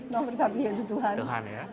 nomor satu yaitu tuhan